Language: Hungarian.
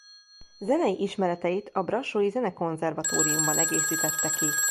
Zenei ismereteit a brassói Zenekonzervatóriumban egészítette ki.